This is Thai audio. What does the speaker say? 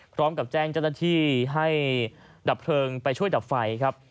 พร้อมกับแจ้งเจ้าหน้าที่ให้ดับเพลิงไปช่วยดับไฟครับ